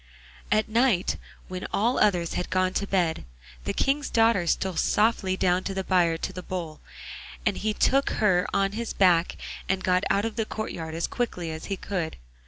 At night, when all the others had gone to bed, the King's daughter stole softly down to the byre to the Bull, and he took her on his back and got out of the courtyard as quickly as he could.